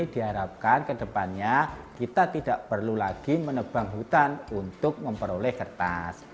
diharapkan kedepannya kita tidak perlu lagi menebang hutan untuk memperoleh kertas